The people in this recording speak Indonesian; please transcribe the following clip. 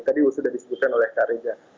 tadi sudah disebutkan oleh kak reza